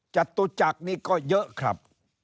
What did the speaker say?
จตุจักรนี่ก็เยอะครับ